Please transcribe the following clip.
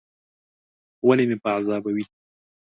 ولي مې په عذابوې ؟